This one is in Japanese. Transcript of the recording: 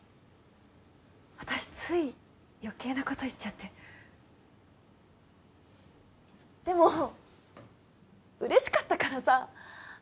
私つい余計なこと言っちゃってでも嬉しかったからさ